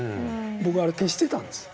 僕はあれ消してたんです。